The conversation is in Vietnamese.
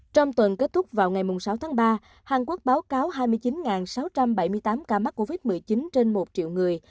trong tuần kết thúc vào ngày sáu tháng ba hàn quốc báo cáo hai mươi chín sáu trăm bảy mươi tám ca mắc covid một mươi chín trên một triệu người